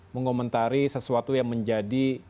mengomentari sesuatu yang menjadi